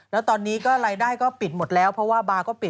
แล้วตอนนี้ก็รายได้ก็ปิดหมดแล้วเพราะว่าบาร์ก็ปิด